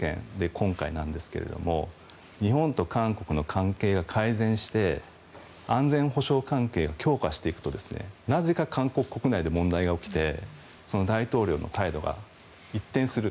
今回なんですが日本と韓国の関係が改善して安全保障関係を強化していくとなぜか韓国国内で問題が起きて大統領の態度が一転する。